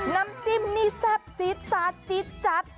น้ำจิ้มนี่แซ่บซีดซาสจิ๊ดจัด